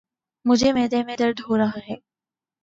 مجھے معدے میں درد ہو رہا ہے۔